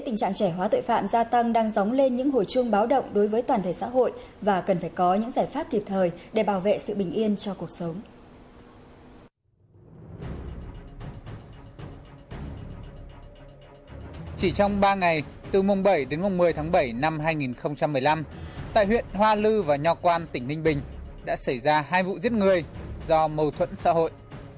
ba ngày từ mùng bảy đến mùng một mươi tháng bảy năm hai nghìn một mươi năm tại huyện hoa lư và nho quan tỉnh ninh bình đã xảy ra hai vụ giết người do mâu thuẫn xã hội